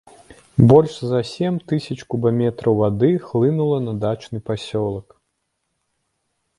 Больш за сем тысяч кубаметраў вады хлынула на дачны пасёлак.